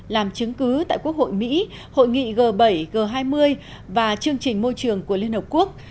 làm chứng cứ tại quốc hội mỹ hội nghị g bảy g hai mươi và chương trình môi trường của liên hợp quốc